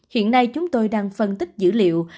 hiện nay chúng tôi đang phân tích dữ liệu